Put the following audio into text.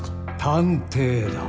探偵だ